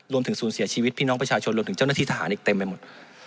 ศูนย์เสียชีวิตพี่น้องประชาชนรวมถึงเจ้าหน้าที่ทหารอีกเต็มไปหมด